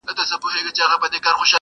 څوك به نيسي د ديدن د ګودر لاري!